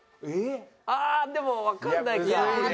ああでもわかんないか。